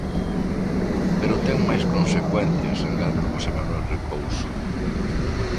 Pero ten máis consecuencias, engade José Manuel Recouso.